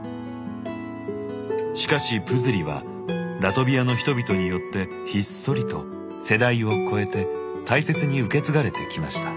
しかしプズリはラトビアの人々によってひっそりと世代を超えて大切に受け継がれてきました。